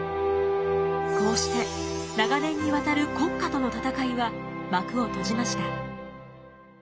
こうして長年にわたる国家との戦いは幕を閉じました。